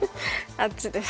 あっちです。